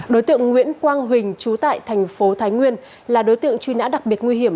đối tượng nguyễn quang huỳnh trú tại thành phố thái nguyên là đối tượng truy nã đặc biệt nguy hiểm